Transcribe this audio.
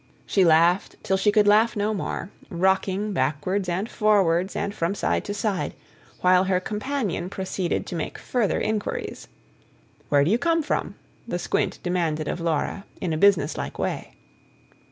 She laughed till she could laugh no more, rocking backwards and forwards and from side to side; while her companion proceeded to make further inquiries. "Where do you come from?" the squint demanded of Laura, in a business like way.